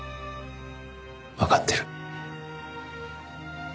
わかってる。